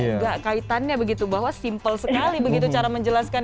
enggak kaitannya begitu bahwa simpel sekali begitu cara menjelaskan